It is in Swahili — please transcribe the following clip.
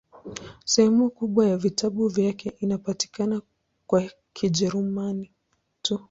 Sehemu kubwa ya vitabu vyake inapatikana kwa Kijerumani tu.